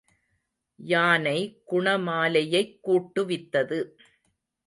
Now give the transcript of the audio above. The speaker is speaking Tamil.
யானை குணமாலையைக் கூட்டுவித்தது.